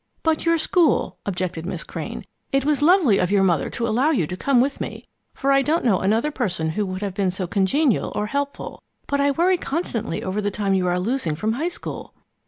"But your school " objected Miss Crane. "It was lovely of your mother to allow you to come with me, for I don't know another person who would have been so congenial or helpful. But I worry constantly over the time you are losing from high school."